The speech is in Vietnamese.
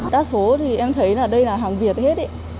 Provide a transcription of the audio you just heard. đa số thì em thấy là đây là hàng việt hết